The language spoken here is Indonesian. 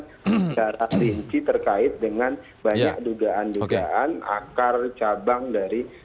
secara rinci terkait dengan banyak dugaan dugaan akar cabang dari